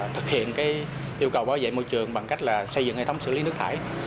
thực hiện yêu cầu bảo vệ môi trường bằng cách xây dựng hệ thống xử lý nước thải